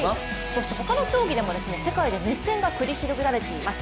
ほかの競技でも、世界で熱戦が繰り広げられています。